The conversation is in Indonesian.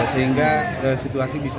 sehingga situasi bisa